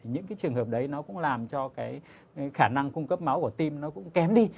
những cái trường hợp đấy nó cũng làm cho cái khả năng cung cấp máu của tim nó cũng kém đi